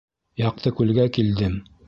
Яҡтыкүлгә килдем.